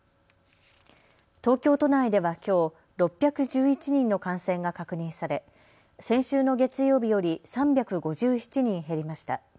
東京都内ではきょう６１１人の感染が確認され先週の月曜日より３５７人減りました。